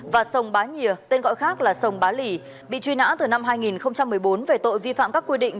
và sông bá nhìa tên gọi khác là sông bá lì bị truy nã từ năm hai nghìn một mươi bốn về tội vi phạm các quy định